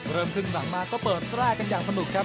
ครึ่งหลังมาก็เปิดแรกกันอย่างสนุกครับ